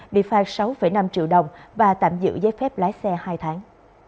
bị phai sáu năm triệu đồng và tạm giữ giấy phép lái xe hai tháng